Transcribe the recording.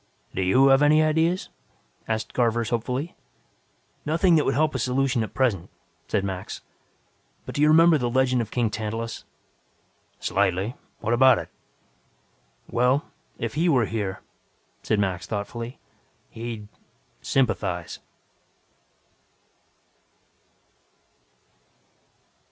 "Do you have any ideas?" asked Garvers hopefully. "Nothing that would help a solution at present," said Max. "But do you remember the legend of King Tantalus?" "Slightly. What about it?" "Well ... if he were here," said Max thoughtfully, "he'd ... sympathize."